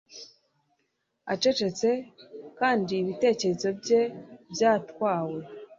Acecetse kandi ibitekerezo bye byatwawe